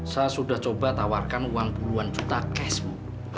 saya sudah coba tawarkan uang puluhan juta cash bu